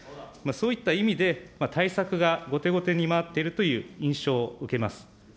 そういった意味で、対策が後手後手に回っているという印象を受けます。